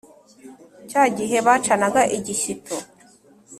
cya gihe bacanaga igishyito